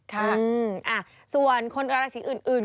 ฮืมส่วนคนฮาราศีอื่น